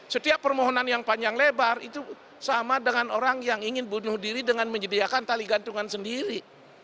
setiap permohonan yang panjang lebar itu sama dengan orang yang ingin bunuh diri dengan menyediakan tali gantungan sendiri